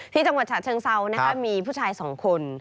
จังหวัดฉะเชิงเซานะคะมีผู้ชายสองคน